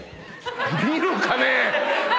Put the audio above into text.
見るかね